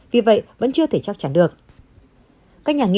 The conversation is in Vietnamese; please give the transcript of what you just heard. vì vậy vẫn chưa thể chắc chắn được